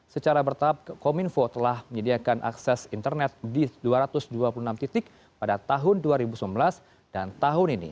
secara bertahap kominfo telah menyediakan akses internet di dua ratus dua puluh enam titik pada tahun dua ribu sembilan belas dan tahun ini